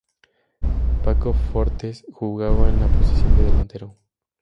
Paco Fortes jugaba en la posición de delantero.